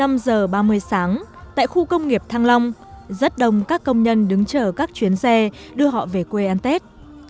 một mươi năm giờ ba mươi sáng tại khu công nghiệp thăng long rất đông các công nhân đứng chờ các chuyến xe đưa họ về quê ăn tết